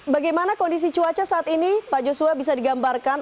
bagaimana kondisi cuaca saat ini pak joshua bisa digambarkan